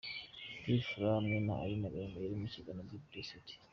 P Fla hamwe na Aline Gahongayire mu kiganiro Be Blessed.